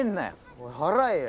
・おい払えや。